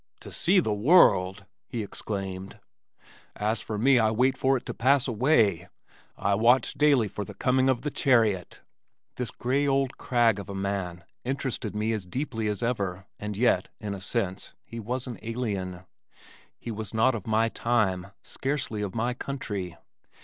"To see the world!" he exclaimed. "As for me I wait for it to pass away. I watch daily for the coming of the Chariot." This gray old crag of a man interested me as deeply as ever and yet, in a sense, he was an alien. He was not of my time scarcely of my country.